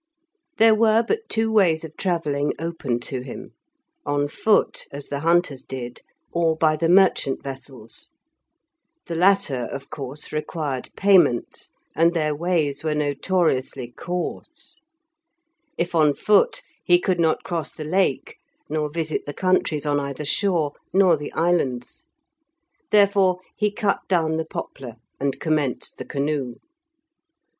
There were but two ways of travelling open to him: on foot, as the hunters did, or by the merchant vessels. The latter, of course, required payment, and their ways were notoriously coarse. If on foot he could not cross the Lake, nor visit the countries on either shore, nor the islands; therefore he cut down the poplar and commenced the canoe.